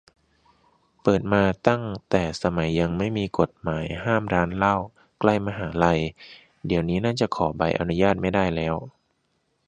เปิดมาตั้งแต่สมัยยังไม่มีกฎหมายห้ามร้านเหล้าใกล้มหาลัย เดี๋ยวนี้น่าจะขอใบอนุญาตไม่ได้แล้ว